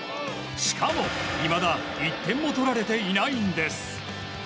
しかも、いまだ１点も取られていないんです。